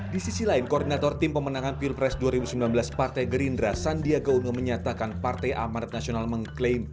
di sisi lain koordinator tim pemenangan pilpres dua ribu sembilan belas partai gerindra sandiaga uno menyatakan partai amanat nasional mengklaim